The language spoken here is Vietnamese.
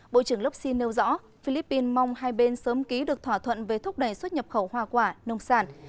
bộ trưởng locsin nêu rõ philippines mong hai bên sớm ký được thỏa thuận về thúc đẩy xuất nhập khẩu hoa quả nông sản